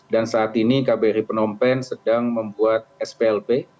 dan saat ini kbri penompen sedang membuat splp